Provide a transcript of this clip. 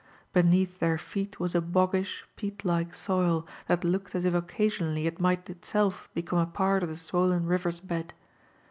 Beneath their feet was a hoggish, peat like soil, that looked as if occasionally it might itself become a part ot the swollen river's bed.